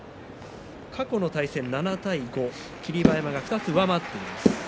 過去の対戦は７対５霧馬山が２つ上回っています。